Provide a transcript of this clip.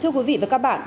thưa quý vị và các bạn